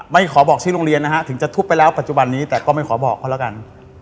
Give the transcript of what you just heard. ไม่ขอบอกชื่อโรงเรียนนะฮะถึงจะทุบไปแล้วปัจจุบันนี้แต่ก็ไม่ขอบอกเขาแล้วกัน